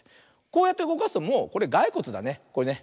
こうやってうごかすともうこれガイコツだねこれね。